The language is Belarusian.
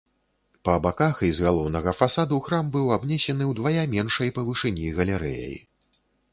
Па баках і з галоўнага фасаду храм быў абнесены ўдвая меншай па вышыні галерэяй.